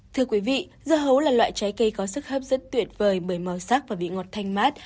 thưa quý vị dưa hấu là loại trái cây có sức hấp dẫn tuyệt vời bởi màu sắc và vị ngọt thanh mát